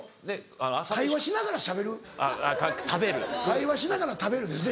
「会話しながら食べる」ですね。